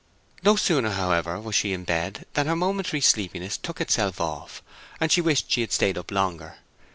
No sooner, however, was she in bed than her momentary sleepiness took itself off, and she wished she had stayed up longer.